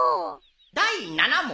第７問。